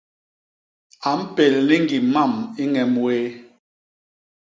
A mpél ni ñgim mam i ññem wéé.